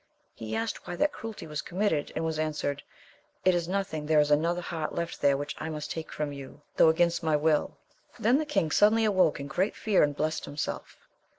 He asked why that cruelty was committed, and was answered — It is nothing ! there is another heart left there which I must take from you, though AMADIS OF GAUL, 7 a^nst my will. Then the king suddenly awoke in great fear, and blessed himself.